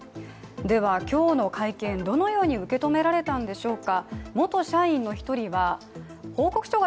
では今日の会見、どのように受け止められたんでしょうか。